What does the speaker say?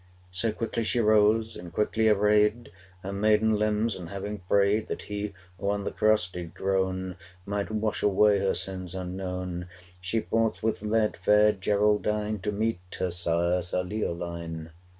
So quickly she rose, and quickly arrayed Her maiden limbs, and having prayed That He, who on the cross did groan, Might wash away her sins unknown, 390 She forthwith led fair Geraldine To meet her sire, Sir Leoline.